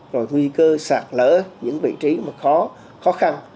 rồi nguy cơ sạt lỡ những vị trí khó khăn